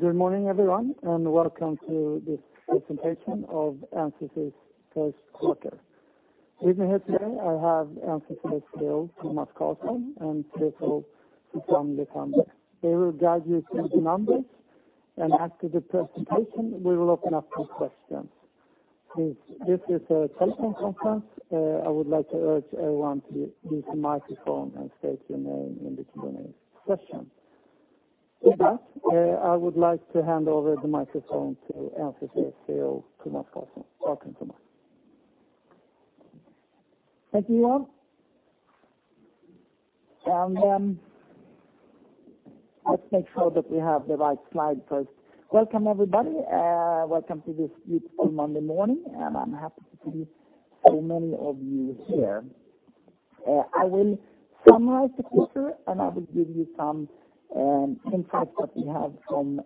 Good morning, everyone, and welcome to this presentation of NCC's first quarter. With me here today, I have NCC's CEO, Tomas Carlsson, and CFO, Susanne Lithander. They will guide you through the numbers, and after the presentation, we will open up for questions. Since this is a telephone conference, I would like to urge everyone to use the microphone and state your name in between any question. With that, I would like to hand over the microphone to NCC's CEO, Tomas Carlsson. Welcome, Tomas. Thank you. [inaudible] Let's make sure that we have the right slide first. Welcome, everybody, welcome to this beautiful Monday morning, and I'm happy to see so many of you here. I will summarize the quarter, and I will give you some insights that we have from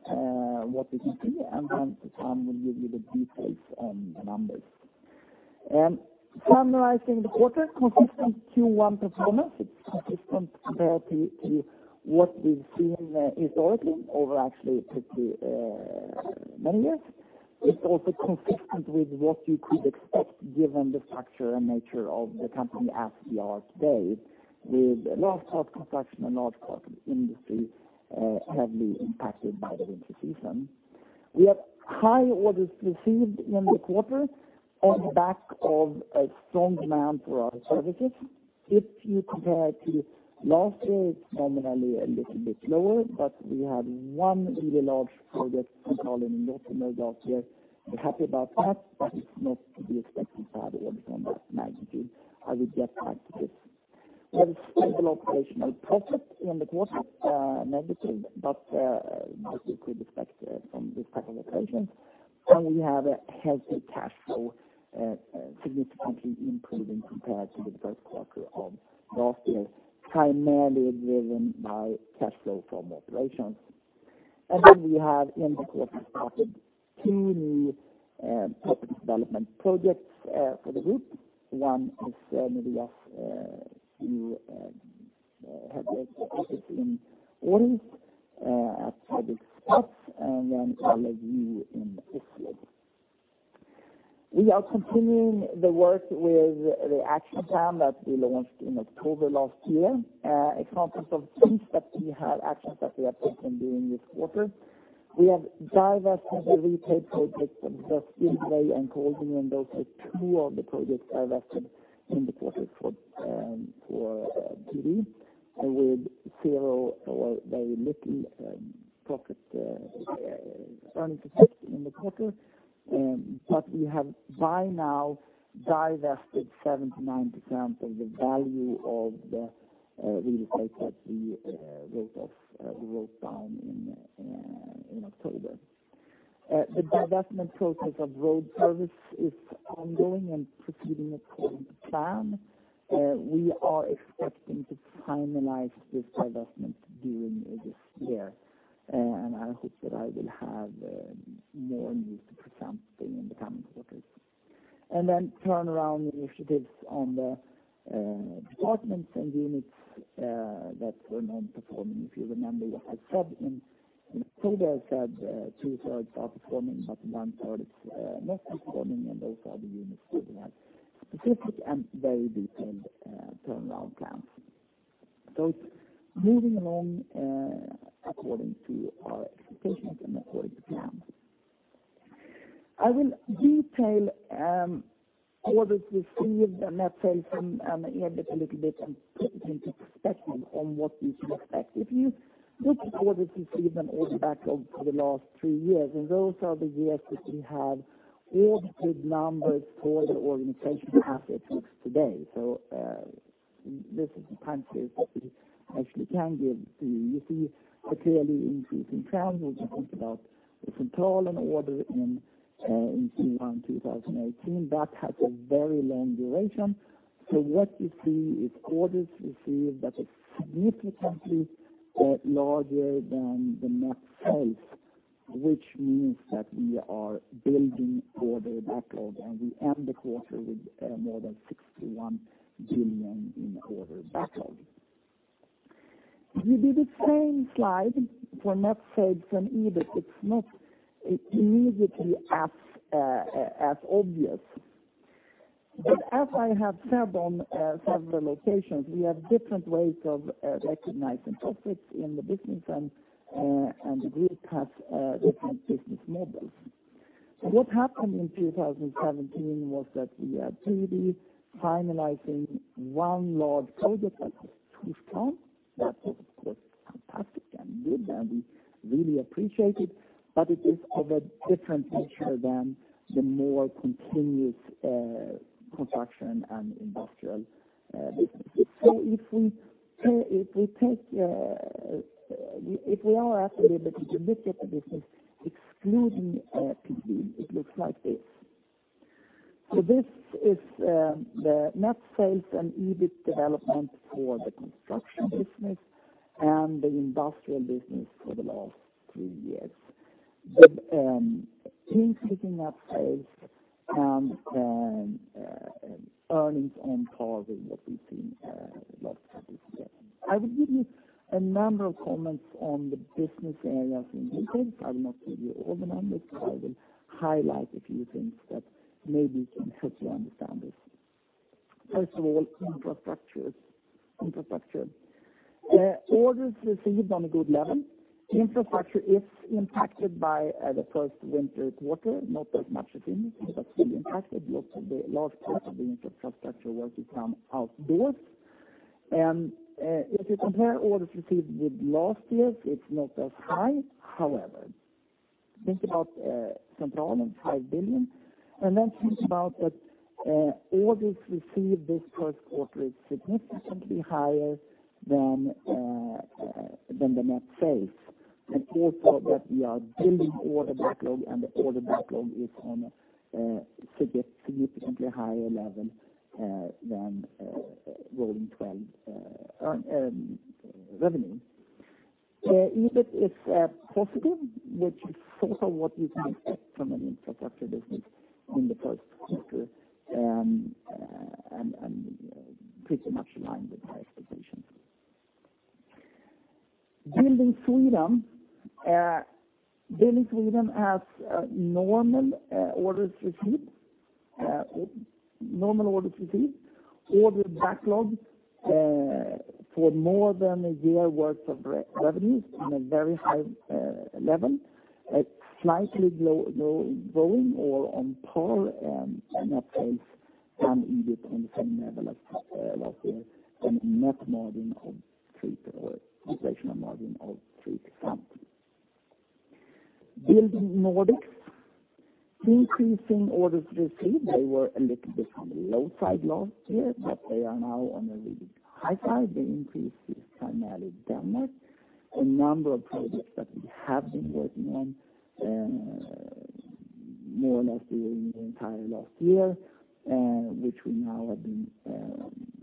what we can see, and then Susa will give you the details on the numbers. Summarizing the quarter, consistent Q1 performance, it's consistent compared to what we've seen historically over actually pretty many years. It's also consistent with what you could expect, given the structure and nature of the company as we are today, with large part construction and large part industry, heavily impacted by the winter season. We have high orders received in the quarter on the back of a strong demand for our services. If you compare it to last year, it's nominally a little bit lower, but we had one really large project in Finland last year. We're happy about that, but it's not to be expected to have orders on that magnitude. I will get back to this. We have stable operational profit in the quarter, negative, but as you could expect from this type of operation, and we have a healthy cash flow, significantly improving compared to the first quarter of last year, primarily driven by cash flow from operations. In the quarter, we have started two new development projects for the group. One is, maybe as you have seen in the news, at public spots, and then Valle View in Oslo. We are continuing the work with the action plan that we launched in October last year. A couple of things that we have, actions that we have taken during this quarter. We have divested the retail projects of Westway and Kolding, and those are two of the projects divested in the quarter for PD, with zero or very little profit earned in the quarter. But we have, by now, divested 79% of the value of the real estate that we wrote off, we wrote down in October. The divestment process of road service is ongoing and proceeding according to plan. We are expecting to finalize this divestment during this year, and I hope that I will have more news to present in the coming quarters. Then turn around initiatives on the departments and units that were non-performing. If you remember what I said in October, I said 2/3 are performing, but 1/3 is not performing, and those are the units with specific and very detailed turnaround plans. It's moving along according to our expectations and according to plan. I will detail orders received and net sales and EBIT a little bit, and put into perspective on what you should expect. If you look at orders received and order backlog over the last three years, and those are the years that we have audited numbers for the organization assets today. This is the time period that we actually can give to you. You see a clearly increasing trend, which you think about the control and order in Q1 2018. That has a very long duration. So what you see is orders received, but it's significantly larger than the net sales, which means that we are building order backlog, and we end the quarter with more than 61 billion in order backlog. We do the same slide for net sales and EBIT. It's not immediately as obvious. But as I have said on several occasions, we have different ways of recognizing profits in the business and the group has different business models. So what happened in 2017 was that we are truly finalizing one large project that was too strong. That was fantastic and good, and we really appreciate it, but it is of a different nature than the more continuous construction and industrial business. So if we take, if we are asked a little bit to look at the business excluding PD, it looks like this. So this is the net sales and EBIT development for the construction business and the industrial business for the last three years. The increasing net sales and earnings on par with what we've seen last year. I will give you a number of comments on the business areas in detail. I will not give you all the numbers. I will highlight a few things that maybe can help you understand this. First of all, infrastructure, infrastructure. Orders received on a good level. Infrastructure is impacted by the first winter quarter, not as much as industry, but still impacted. Most of the large parts of the infrastructure work become outdoors. If you compare orders received with last year, it's not as high. However, think about 25 billion, and then think about that orders received this first quarter is significantly higher than the net sales. And also that we are building order backlog, and the order backlog is on a significantly higher level than rolling twelve revenue. EBIT is positive, which is also what you can expect from an infrastructure business in the first quarter, and pretty much in line with my expectations. Building Sweden has normal orders received. Order backlog for more than a year worth of revenues on a very high level, slightly low-growing or on par, and net sales some EBIT on the same level of last year, and net margin of 3% or operational margin of 3%. Building Nordics, increasing orders received. They were a little bit on the low side last year, but they are now on the really high side. The increase is primarily Denmark. A number of projects that we have been working on more or less during the entire last year, which we now have been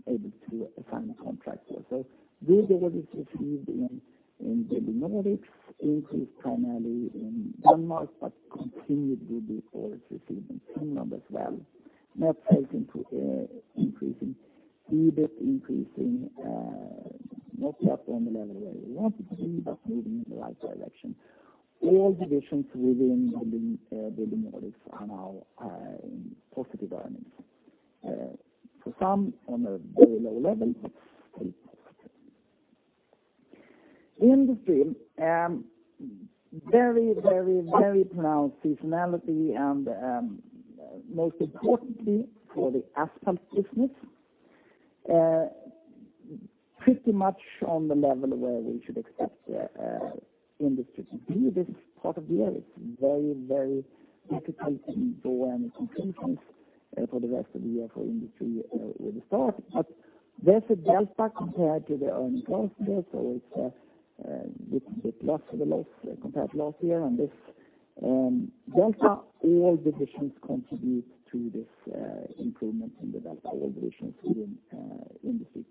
able to sign a contract for. So these orders received in Building Nordics increased primarily in Denmark, but continued with the orders received in same numbers as well. Net sales into increasing, EBIT increasing, not yet on the level where we want it to be, but moving in the right direction. All divisions within Building, Building Nordics are now in positive earnings, for some on a very low level. Industry, very, very, very pronounced seasonality and, most importantly, for the asphalt business, pretty much on the level where we should expect, industry to be this part of the year. It's very, very difficult to draw any conclusions, for the rest of the year for industry with the start. But there's a delta compared to the earnings last year, so it's a bit, bit less of a loss compared to last year. And this, delta, all divisions contribute to this, improvement in the delta. All divisions within, industry,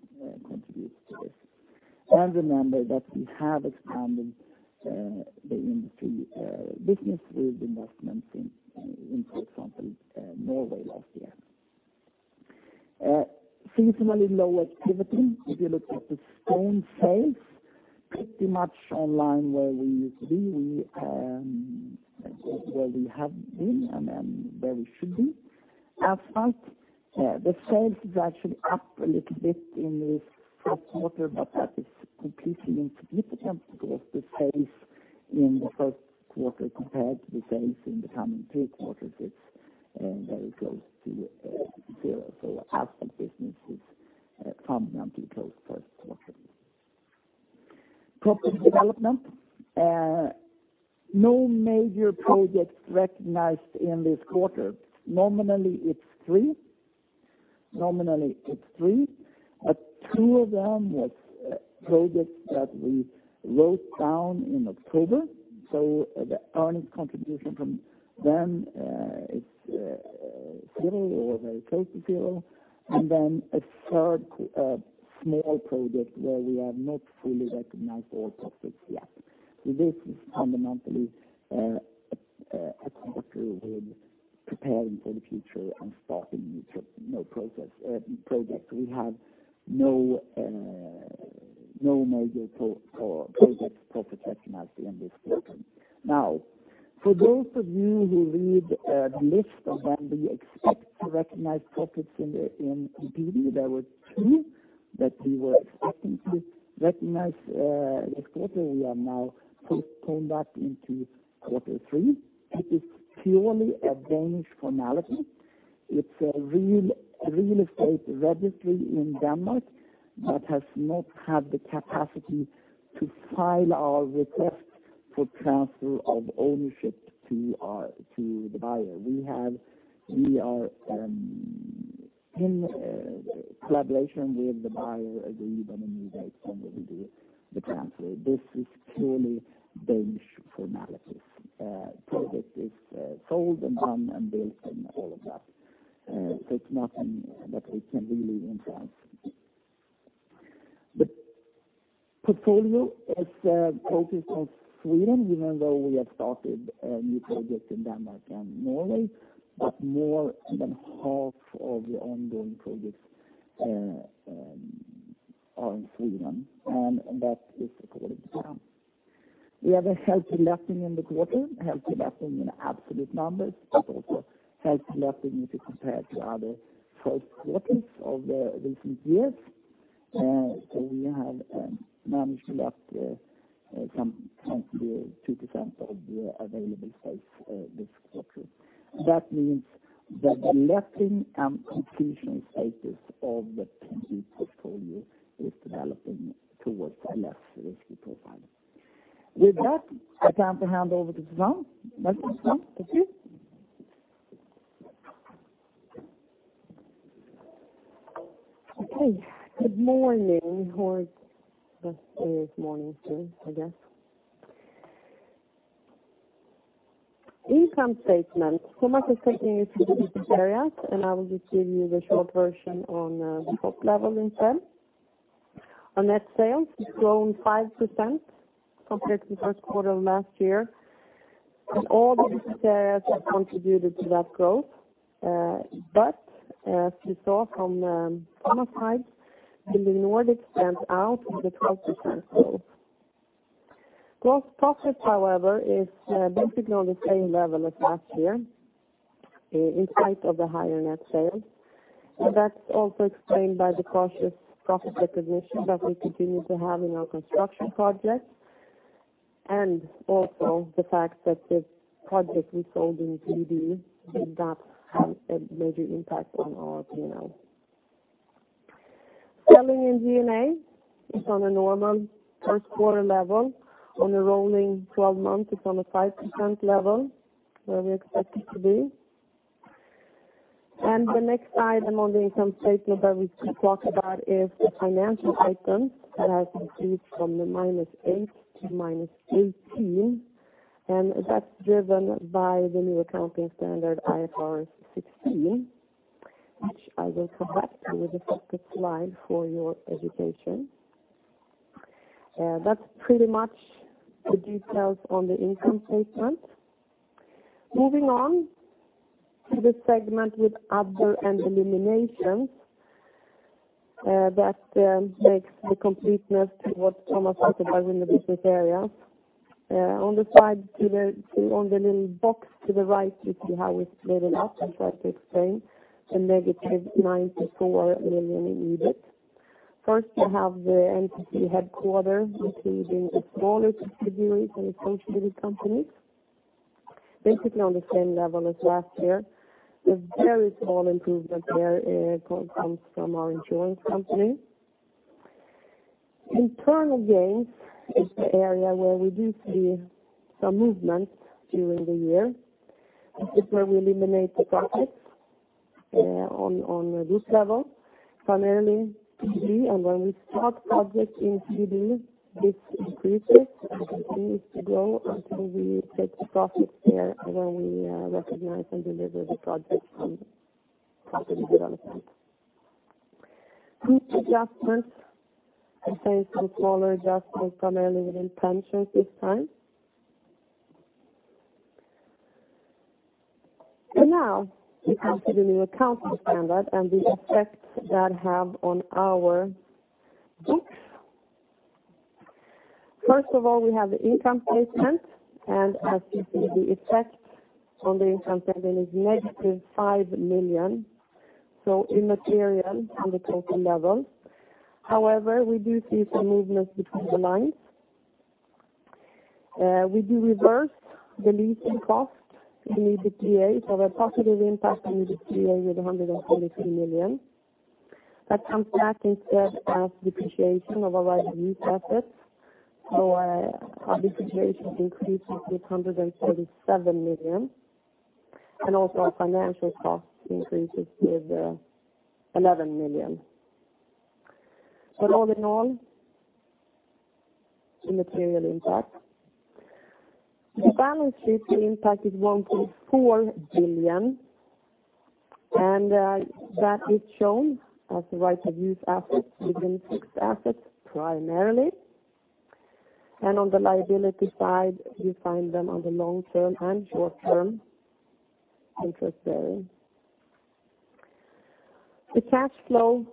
contributes to this. And remember that we have expanded the industry business with investments in, for example, Norway last year. Seasonally low activity. If you look at the stone sales, pretty much on line where we used to be, we, where we have been and then where we should be. Asphalt, the sales is actually up a little bit in this first quarter, but that is completely insignificant because the sales in the first quarter compared to the sales in the coming three quarters, it's very close to zero. So asphalt business is fundamentally close first quarter. Property development, no major projects recognized in this quarter. Nominally, it's three. Nominally, it's three, but two of them was projects that we wrote down in October, so the earnings contribution from them, it's zero or very close to zero. And then a third small project where we have not fully recognized all profits yet. So this is fundamentally a contractor preparing for the future and starting new projects. We have no major projects profit recognized in this quarter. Now, for those of you who read the list of when we expect to recognize profits in Q2, there were two that we were expecting to recognize this quarter. We have now postponed that into quarter three. It is purely a Danish formality. It's a real estate registry in Denmark that has not had the capacity to file our request for transfer of ownership to the buyer. We are in collaboration with the buyer, agreed on a new date when we do the transfer. This is purely Danish formalities. Product is sold and done and built and all of that. So it's nothing that we can really influence. Portfolio is focused on Sweden, even though we have started new projects in Denmark and Norway, but more than half of the ongoing projects are in Sweden, and that is according to plan. We have a healthy letting in the quarter, healthy letting in absolute numbers, but also healthy letting if you compare to other first quarters of the recent years. So we have managed to let some 22% of the available space this quarter. That means that the letting and completion status of the complete portfolio is developing towards a less risky profile. With that, I'd like to hand over to Susanne. Welcome, Susanne. It's you. Okay. Good morning, or it is morning still, I guess. Income statement. So much is taking it from the business area, and I will just give you the short version on the top level instead. Our net sales has grown 5% compared to the first quarter of last year, and all the business areas have contributed to that growth. But as you saw from Tomas' side, in the Nordic stands out with the 12% growth. Gross profit, however, is basically on the same level as last year in spite of the higher net sales. And that's also explained by the cautious profit recognition that we continue to have in our construction projects, and also the fact that the project we sold in PD did not have a major impact on our P&L. Selling in SG&A is on a normal first quarter level. On a rolling twelve months, it's on a 5% level, where we expect it to be. The next item on the income statement that we talk about is the financial item that has increased from -8 million to -18 million, and that's driven by the new accounting standard, IFRS 16, which I will come back to with the second slide for your education. That's pretty much the details on the income statement. Moving on to the segment with other and eliminations, that makes the completeness to what Tomas talked about in the business area. On the side, to the, on the little box to the right, you see how it's split it up, and try to explain a negative 94 million in EBIT. First, you have the NCC headquarter, including the smaller subsidiaries and associated companies, basically on the same level as last year. A very small improvement there comes from our insurance company. Internal gains is the area where we do see some movement during the year. This is where we eliminate the projects on this level, primarily PD, and when we start projects in PD, this increases and continues to grow until we take the projects there, and then we recognize and deliver the projects from property development. Huge adjustments, the same, some smaller adjustments, primarily within pensions this time. Now, we come to the new accounting standard and the effect that have on our books. First of all, we have the income statement, and as you see, the effect on the income statement is negative 5 million, so immaterial on the total level. However, we do see some movements between the lines. We do reverse the leasing costs in the EBITDA, so a positive impact on EBITDA with 143 million. That comes back instead as depreciation of our right of use assets. So, our depreciation increases with 147 million, and also our financial cost increases with 11 million. So all in all, immaterial impact. The balance sheet impact is 1.4 billion, and that is shown as the right of use assets within fixed assets, primarily. And on the liability side, you find them on the long term and short term interest bearing. The cash flow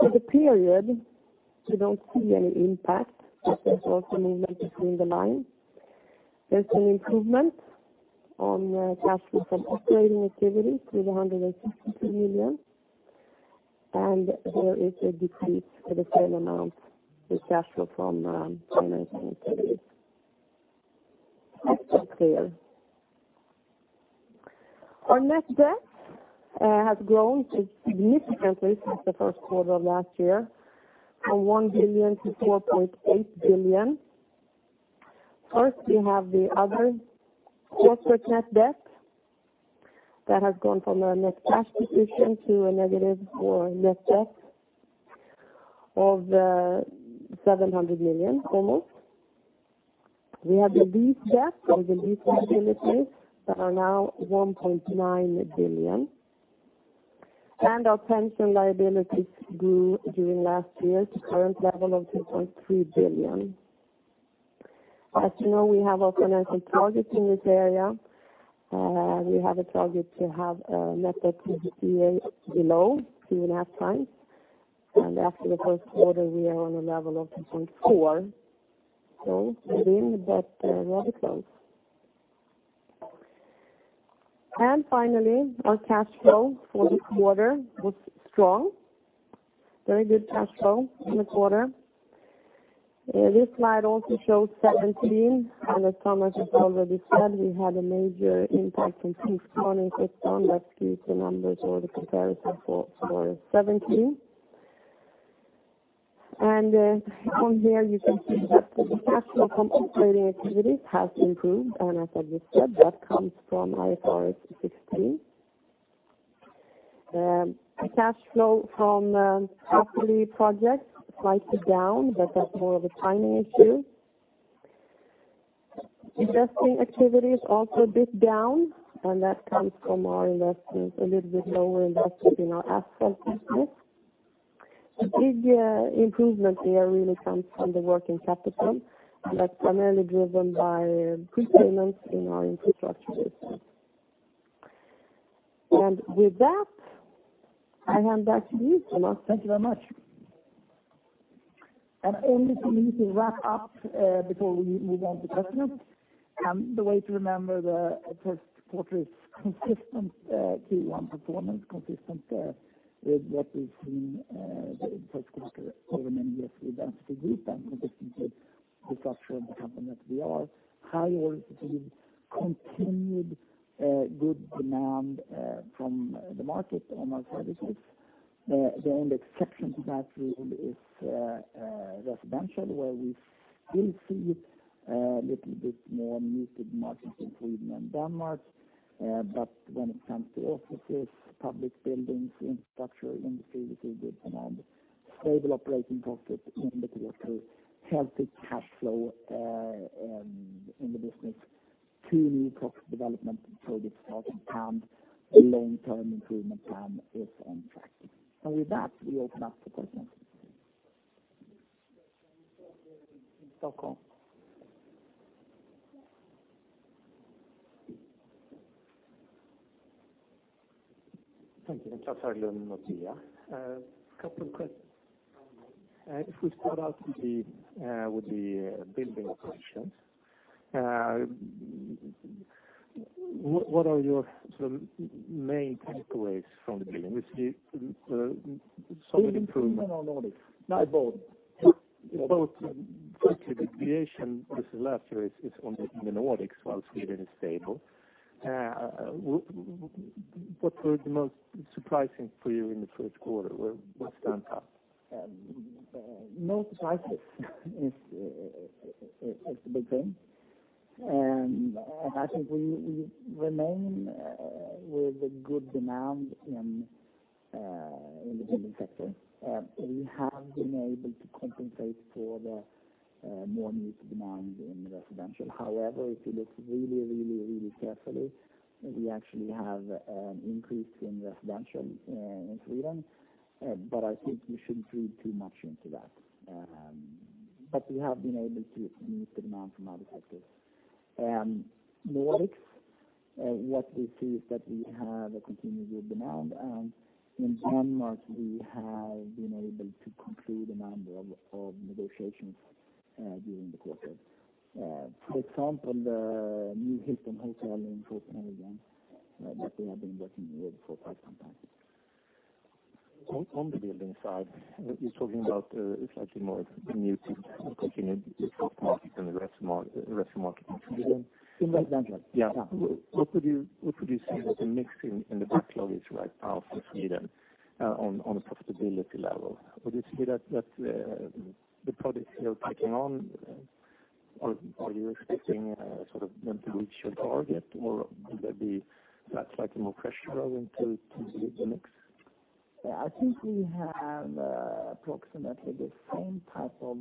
for the period, you don't see any impact, but there's also movement between the lines. There's an improvement on the cash flow from operating activity with 162 million, and there is a decrease for the same amount as cash flow from financing activities. That's clear. Our net debt has grown significantly since the first quarter of last year, from 1 billion to 4.8 billion. First, you have the other corporate net debt that has gone from a net cash position to a negative or net debt of 700 million, almost. We have the lease debt or the lease liabilities that are now 1.9 billion. And our pension liabilities grew during last year to current level of 2.3 billion. As you know, we have our financial targets in this area. We have a target to have net debt to EBITDA below 2.5x, and after the first quarter, we are on a level of 2.4x. Within, but rather close. Finally, our cash flow for this quarter was strong. Very good cash flow in the quarter. This slide also shows 2017, and as Tomas has already said, we had a major impact from pre-funding system that skewed the numbers or the comparison for 2017. On here you can see that the cash flow from operating activities has improved, and as I just said, that comes from IFRS 16. The cash flow from costly projects slightly down, but that's more of a timing issue. Investing activities also a bit down, and that comes from our investments, a little bit lower investment in our asphalt business. The big improvement here really comes from the working capital, but primarily driven by prepayments in our infrastructure business. And with that, I hand back to you, Tomas. Thank you very much. And only for me to wrap up, before we move on to questions. The way to remember the first quarter is consistent Q1 performance, consistent with what we've seen, the first quarter over many years with the group, and consistent with the structure of the company that we are. High order, we've continued good demand from the market on our services. The only exception to that rule is residential, where we will see a little bit more muted markets in Sweden and Denmark. But when it comes to offices, public buildings, infrastructure industry, we see good demand. Stable operating profit in the quarter, healthy cash flow in the business. Two new property development projects are on hand. A long-term improvement plan is on track. And with that, we open up to questions. Stockholm. Thank you. [inaudible] Nordea. A couple of questions. If we start out with the, with the building operations, what, what are your sort of main takeaways from the building? We see, so many improvements. Building or Nordics? No, both. Both. Quickly, the deviation this last year is on the in the Nordics, while Sweden is stable. What were the most surprising for you in the first quarter? What stands out? No surprises is the big thing. And I think we remain with the good demand in the building sector. We have been able to compensate for the more muted demand in residential. However, if you look really, really, really carefully, we actually have an increase in residential in Sweden, but I think we shouldn't read too much into that. But we have been able to meet the demand from other sectors. Nordics, what we see is that we have a continued good demand, and in Denmark, we have been able to conclude a number of negotiations during the quarter. For example, the new Hilton Hotel in Copenhagen that we have been working with for quite some time. On the building side, you're talking about slightly more muted continued market than the res market in Sweden. In residential. Yeah. Yeah. What would you say that the mix in the backlog is right now for Sweden, on a profitability level? Would you say that the projects you're taking on, are you expecting sort of them to reach your target, or would there be slightly more pressure until to meet the mix? I think we have approximately the same type of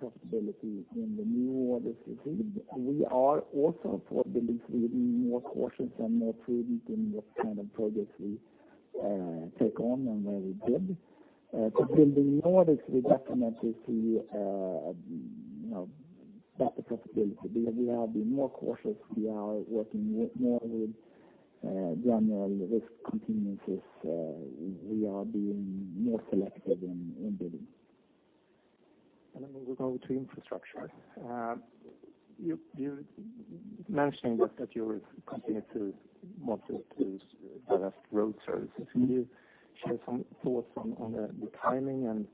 profitability in the new orders we received. We are also, for delivery, more cautious and more prudent in what kind of projects we take on and where we bid. To build the Nordics, we definitely see, you know, better profitability, because we are being more cautious. We are working with more with general risk contingencies. We are being more selective in building. Then we go to infrastructure. You mentioning that you're continuing to monitor the loss in road services. Can you share some thoughts on the timing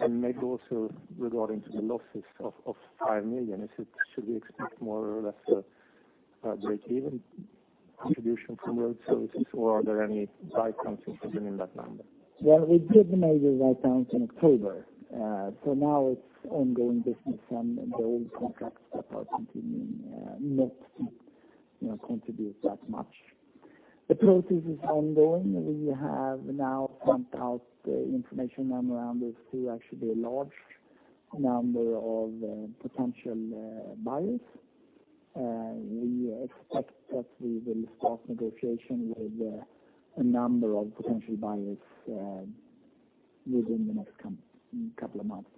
and maybe also regarding the losses of 5 million? Should we expect more or less breakeven contribution from road services, or are there any side costs included in that number? Well, we did the major write downs in October. So now it's ongoing business, and the old contracts that are continuing, not, you know, contribute that much. The process is ongoing. We have now sent out the information memorandum to actually a large number of potential buyers. We expect that we will start negotiation with a number of potential buyers within the next couple of months.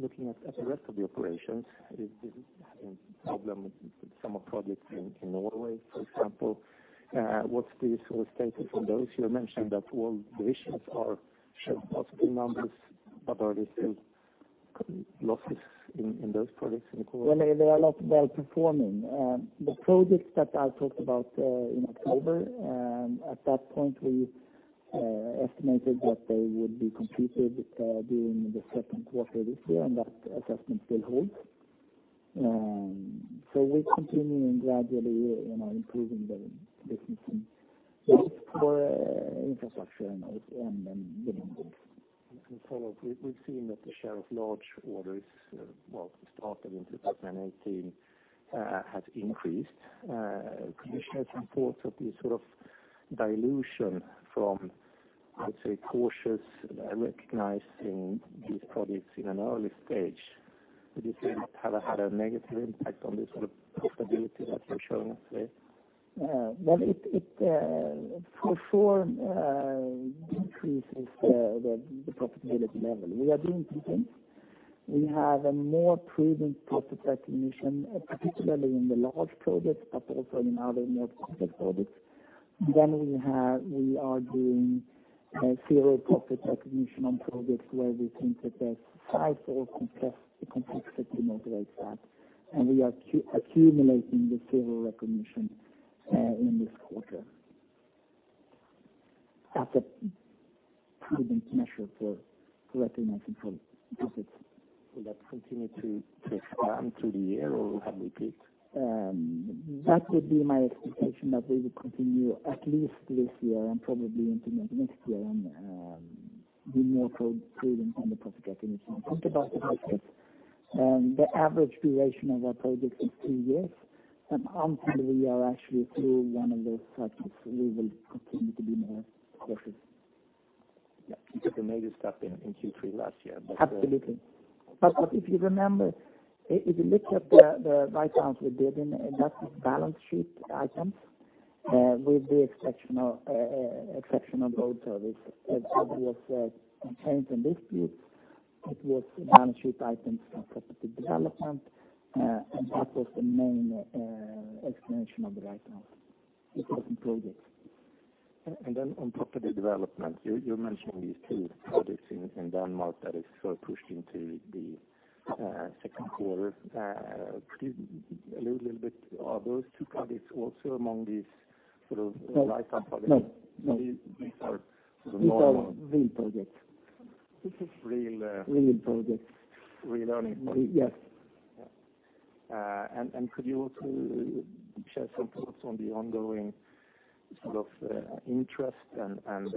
Looking at the rest of the operations, is this having problem with some of projects in Norway, for example, what's the sort of status on those? You mentioned that, well, the issues are showing possible numbers, but are they still losses in those projects in the quarter? Well, they are a lot better performing. The projects that I talked about in October, at that point, we estimated that they would be completed during the second quarter this year, and that assessment still holds. So we're continuing gradually, you know, improving the business in for infrastructure and you know. Follow up, we've seen that the share of large orders, started in 2018, has increased. Could you share some thoughts of the sort of dilution from, I would say, cautious recognizing these projects in an early stage? Do you think have had a negative impact on the sort of profitability that you're showing us there? Well, it for sure increases the profitability level. We are being prudent. We have a more prudent profit recognition, particularly in the large projects, but also in other more complex projects. Then we have we are doing zero profit recognition on projects where we think that there's size or complexity involved like that, and we are accumulating the zero recognition in this quarter. As a prudent measure for recognizing for profits. Will that continue to expand through the year, or have we peaked? That would be my expectation, that we will continue at least this year and probably into next year, and be more prudent on the profit recognition. Talk about the projects, the average duration of our projects is two years, and until we are actually through one of those cycles, we will continue to be more cautious. Yeah. You took a major step in Q3 last year, but Absolutely. But if you remember, if you look at the write-downs we did, and that is balance sheet items with the exceptional road service. It was contained in disputes. It was balance sheet items from property development, and that was the main explanation of the write-down, different projects. Then on property development, you mentioned these two projects in Denmark that is sort of pushed into the second quarter. Could you elaborate a little bit, are those two projects also among these sort of write-down projects? No. No. These are normal These are real projects. This is real. Real projects. Real earning. Yes. Yeah. And could you also share some thoughts on the ongoing interest and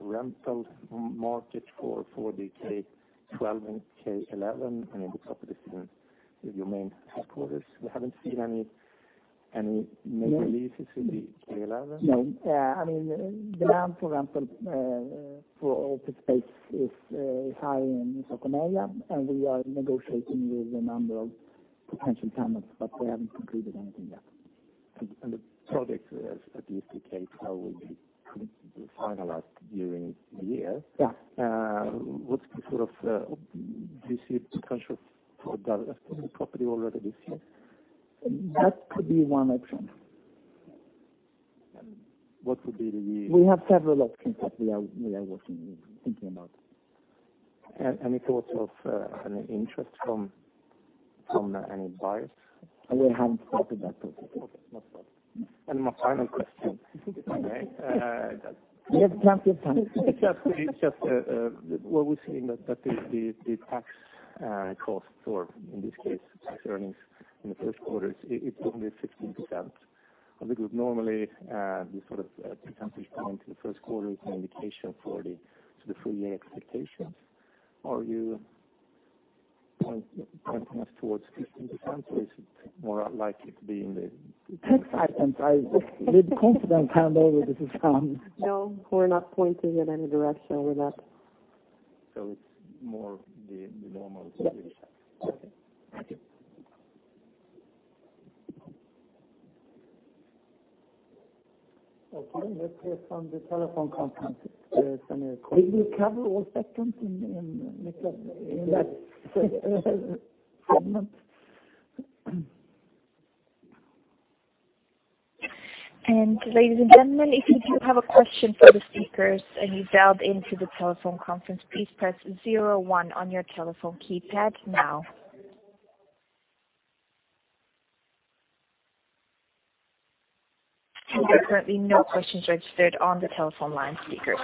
rental market for the K-12 and K-11? I mean, the properties in your main headquarters, we haven't seen any major leases in the K-11. No. I mean, the demand for rental, for office space is, is high in Stockholm area, and we are negotiating with a number of potential tenants, but we haven't concluded anything yet. The project, at least the K-12, will be finalized during the year. Yeah. Do you see potential for development property already this year? That could be one option. What would be the We have several options that we are working, thinking about. Any thoughts of any interest from any buyers? We haven't started that process. Okay. No problem. My final question, You have plenty of time. Just, well, we're seeing that the tax cost, or in this case, tax earnings in the first quarter, it's only 16%. And because normally, this sort of percentage down to the first quarter is communication for the to the full-year expectations. Are you pointing us towards 16%, or is it more likely to be in the 10%? With confidence, Handover, this is, No, we're not pointing in any direction. We're not. It's more the normal situation. Yes. Okay. Thank you. Okay, let's hear from the telephone conference from your call. Did we cover all sections in that segment? Ladies and gentlemen, if you do have a question for the speakers, and you dialed into the telephone conference, please press zero one on your telephone keypad now. There are currently no questions registered on the telephone line, speakers.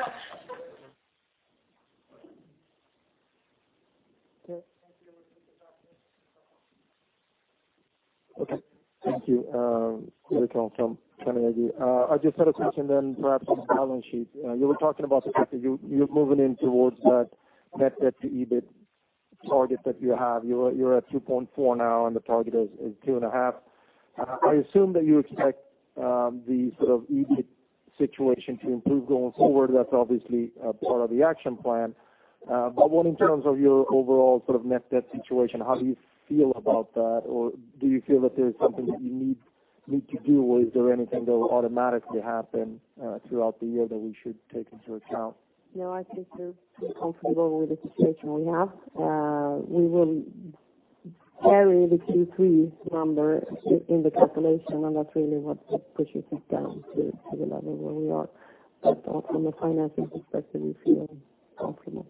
Okay. Okay. Thank you. [inaudible] I just had a question then, perhaps on the balance sheet. You were talking about that you, you're moving in towards that net debt to EBIT target that you have, you're at 2.4x now, and the target is 2.5x. I assume that you expect the sort of EBIT situation to improve going forward. That's obviously part of the action plan. But what in terms of your overall sort of net debt situation, how do you feel about that? Or do you feel that there's something that you need to do, or is there anything that will automatically happen throughout the year that we should take into account? No, I think we're comfortable with the situation we have. We will carry the Q3 number in the calculation, and that's really what pushes it down to the level where we are. But on the financing perspective, we feel confident.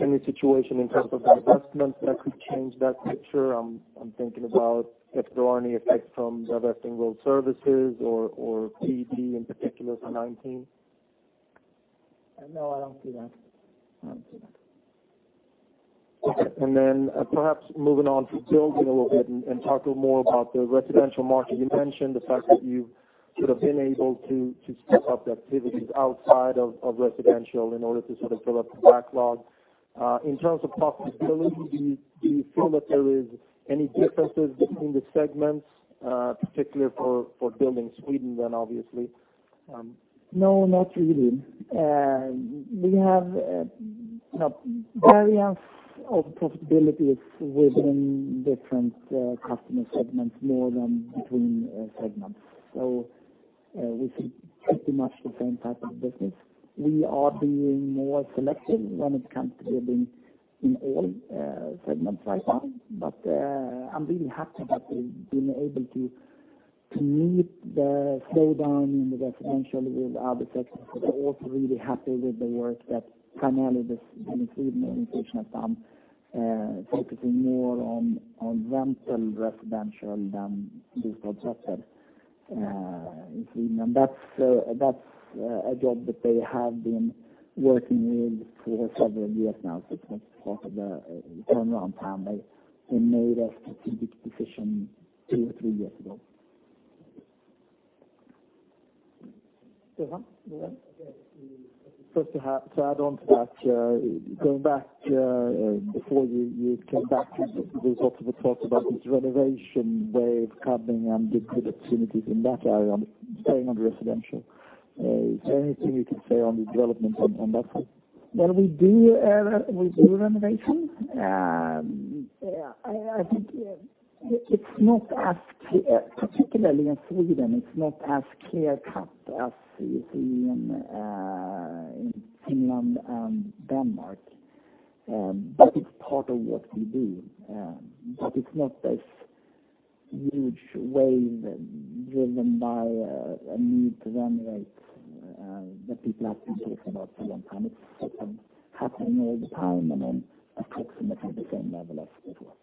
Any situation in terms of the investments that could change that picture? I'm, I'm thinking about if there are any effects from divesting road services or, or PD in particular for nineteen. No, I don't see that. I don't see that. Okay. And then perhaps moving on to building a little bit and talk a little more about the residential market. You mentioned the fact that you've sort of been able to step up the activities outside of residential in order to sort of build up the backlog. In terms of profitability, do you feel that there is any differences between the segments, particularly for Building Sweden, then obviously? No, not really. We have, you know, variance of profitability within different customer segments, more than between segments. So, we see pretty much the same type of business. We are being more selective when it comes to building in all segments right now. But, I'm really happy that we've been able to meet the slowdown in the residential with other sectors. But I'm also really happy with the work that finally the Sweden organization has done, focusing more on rental residential than project sales. In Sweden, that's a job that they have been working with for several years now. So it takes part of the turnaround time. They made a strategic decision two or three years ago. [inaudidible], go ahead. First, to add, to add on to that, going back, before you, you came back, there was also the talk about this renovation wave coming and the good opportunities in that area, staying on the residential. Is there anything you can say on the development on that front? Well, we do, we do renovation. I think it's not as clear, particularly in Sweden, it's not as clear-cut as you see in, in Finland and Denmark, but it's part of what we do. But it's not this huge wave driven by a need to renovate that people have been talking about for a long time. It's happening all the time and on approximately the same level as before.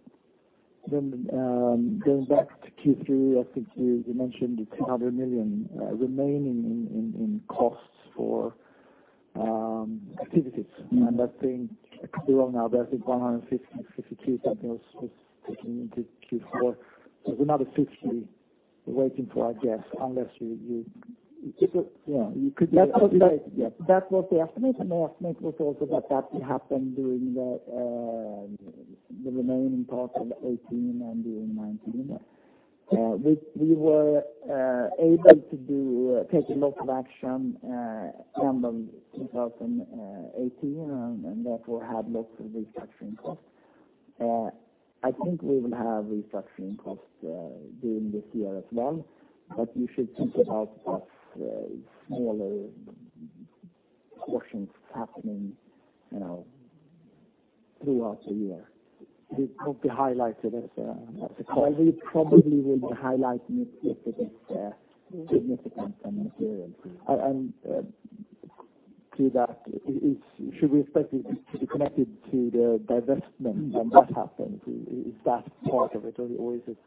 Then, going back to Q3, I think you mentioned the 300 million remaining in costs for activities. Mm-hmm. That's being corrected now, but I think 150, 62 something was taken into Q4. So another 50 waiting for, I guess, unless you, you- It's a Yeah, you could That was the estimate, and the estimate was also that that happened during the remaining part of 2018 and during 2019. We were able to take a lot of action end of 2018, and therefore had lots of restructuring costs. I think we will have restructuring costs during this year as well, but you should think about as smaller portions happening, you know, throughout the year. It won't be highlighted as a cost? We probably will be highlighting it if it is, significant and material. And, to that, should we expect it to be connected to the divestment and what happens? Is, is that part of it, or, or is it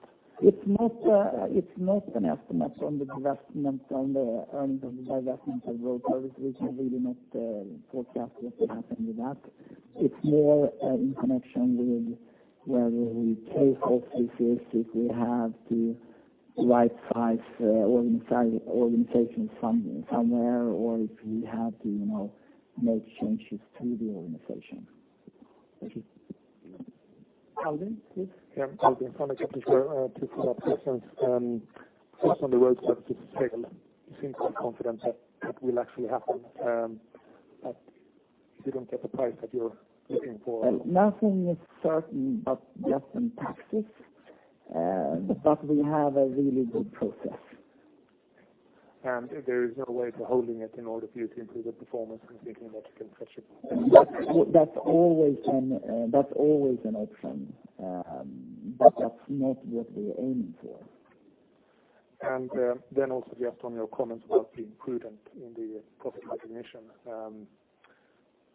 It's not an estimate on the divestment, on the earnings of the divestment of road service. We can really not forecast what will happen with that. It's more in connection with whether we pay for services, if we have the right size organization from somewhere, or if we have to, you know, make changes to the organization. Thank you. Aldin, please. Yeah, Aldin from the [inaudible] to follow up questions. Just on the road to sale, you seem quite confident that that will actually happen, but you don't get the price that you're looking for. Nothing is certain, but just in taxes, but we have a really good process. There is no way to holding it in order for you to improve the performance and thinking that you can push it? That's always an option, but that's not what we're aiming for. Then also just on your comments about being prudent in the profit recognition,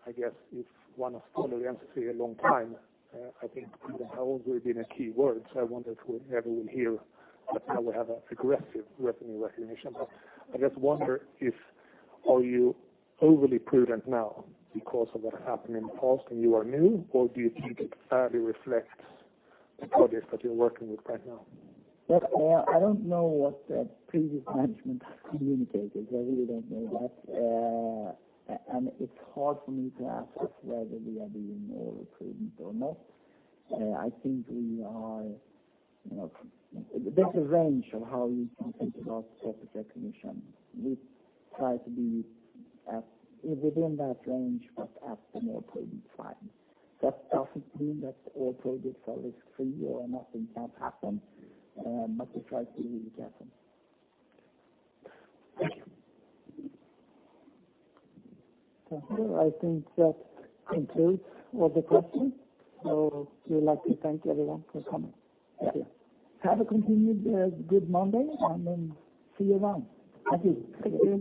I guess it's one of follow the industry a long time, I think prudent has always been a key word, so I wondered who everyone here, but now we have an aggressive revenue recognition. But I just wonder if are you overly prudent now because of what happened in the past, and you are new, or do you think it fairly reflects the projects that you're working with right now? Look, I don't know what the previous management communicated. I really don't know that. And it's hard for me to assess whether we are being more prudent or not. I think we are, you know... There's a range of how you can think about profit recognition. We try to be at within that range, but at the more prudent side. That doesn't mean that all projects are risk-free or nothing can happen, but we try to be really careful. Thank you. I think that concludes all the questions. So we would like to thank everyone for coming. Thank you. Have a continued good Monday, and then see you around. Thank you. Thank you very much.